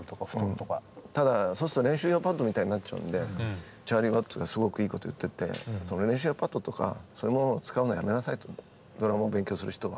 ただそうすると練習用パッドみたいになっちゃうんでチャーリー・ワッツがすごくいいこと言ってて練習用パッドとかそういうものを使うのはやめなさいと。ドラムを勉強する人は。